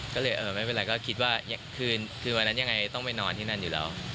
ก็เลยไม่เป็นไรก็คิดว่าคืนวันนั้นยังไงต้องไปนอนที่นั่นอยู่แล้ว